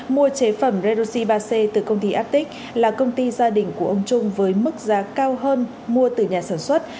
mua chế phẩm redoxi ba c từ công ty attic là công ty gia đình của ông trung với mức giá cao hơn mua từ nhà sản xuất